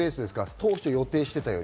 当初、予定していたより。